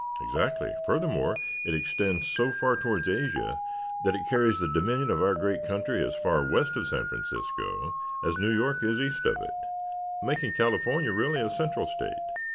"Exactly. Furthermore, it extends so far towards Asia that it carries the dominion of our great country as far west of San Francisco as New York is east of it, making California really a central state."